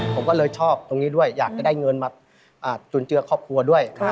ผมก็เลยชอบตรงนี้ด้วยอยากจะได้เงินมาจุนเจือครอบครัวด้วย